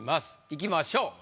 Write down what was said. いきましょう。